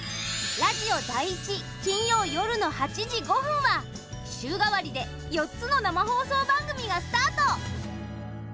ラジオ第１、金曜夜の８時５分は週替わりで４つの生放送番組がスタート。